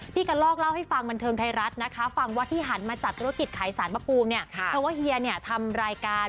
เพราะว่าเฮียร์ทำรายการ